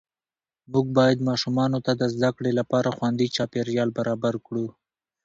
موږ باید ماشومانو ته د زده کړې لپاره خوندي چاپېریال برابر کړو